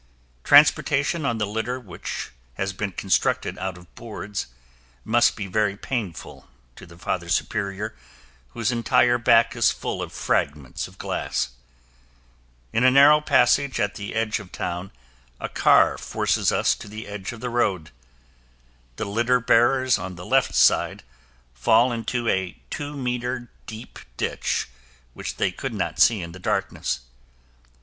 Transportation on the litter, which has been constructed out of boards, must be very painful to the Father Superior, whose entire back is full of fragments of glass. In a narrow passage at the edge of town, a car forces us to the edge of the road. The litter bearers on the left side fall into a two meter deep ditch which they could not see in the darkness.